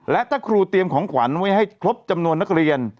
และถ้าครูเตรียมของขวัญไว้ให้ครบจำนวนนักเรียน